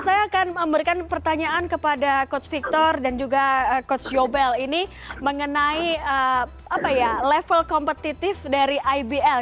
saya akan memberikan pertanyaan kepada coach victor dan juga coach yobel ini mengenai level kompetitif dari ibl